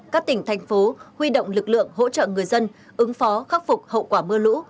các tỉnh thành phố huy động lực lượng hỗ trợ người dân ứng phó khắc phục hậu quả mưa lũ